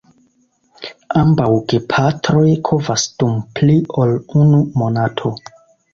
Ambaŭ gepatroj kovas dum pli ol unu monato.